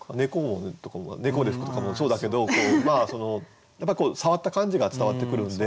猫で拭くとかもそうだけど触った感じが伝わってくるんで。